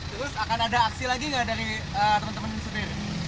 terus akan ada aksi lagi nggak dari teman teman supir